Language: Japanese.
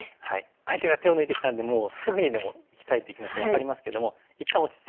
相手が手を抜いてきたんでもうすぐにでもいきたいっていう気持ち分かりますけども一旦落ち着いて。